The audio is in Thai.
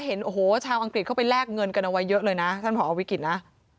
เห็นโอ้โหชาวอังกฤษเข้าไปแลกเงินกันเอาไว้เยอะเลยนะท่านผอวิกฤตนะ